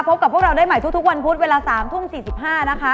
พบกับพวกเราได้ใหม่ทุกวันพุธเวลา๓ทุ่ม๔๕นะคะ